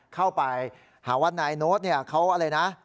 เข้าไปหาว่านายโน๊ตเขาอะไรนะ